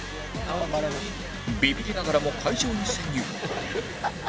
ビビりながらも会場に潜入